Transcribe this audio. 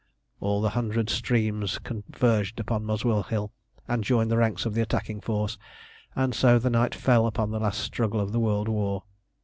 All the hundred streams converged upon Muswell Hill, and joined the ranks of the attacking force, and so the night fell upon the last struggle of the world war.